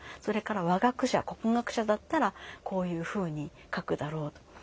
それから「和学者国学者だったらこういうふうに書くだろう」と。